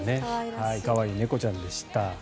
可愛い猫ちゃんでした。